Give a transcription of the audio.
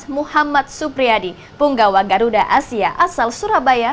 muhammad supriyadi punggawa garuda asia asal surabaya